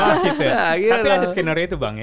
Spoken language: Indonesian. tapi ada skenario itu bang ya